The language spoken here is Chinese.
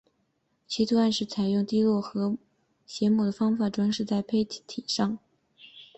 其图案是采用滴落和揩抹的方法装饰在坯体上。